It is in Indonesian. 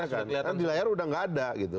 karena di layar sudah tidak ada gitu